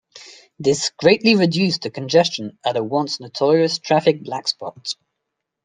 This greatly reduced the congestion at the once-notorious traffic black-spot.